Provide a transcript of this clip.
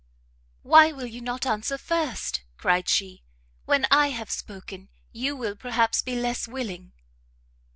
"Why will you not answer first?" cried she; "when I have spoken, you will perhaps be less willing."